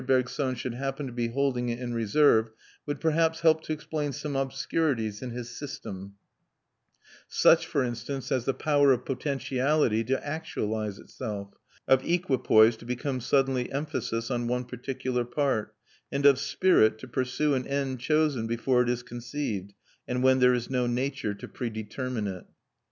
Bergson should happen to be holding it in reserve, would perhaps help to explain some obscurities in his system, such, for instance, as the power of potentiality to actualise itself, of equipoise to become suddenly emphasis on one particular part, and of spirit to pursue an end chosen before it is conceived, and when there is no nature to predetermine it.